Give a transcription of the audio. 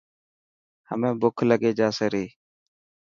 همي بک لکي جاسي ري.